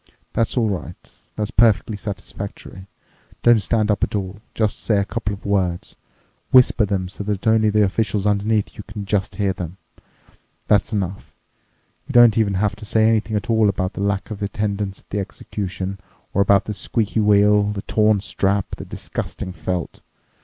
That's all right. That's perfectly satisfactory. Don't stand up at all. Just say a couple of words. Whisper them so that only the officials underneath you can just hear them. That's enough. You don't even have to say anything at all about the lack of attendance at the execution or about the squeaky wheel, the torn strap, the disgusting felt.